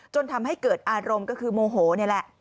จนทำให้เกิดอารมณ์ก็คือโมโหนี่แหละ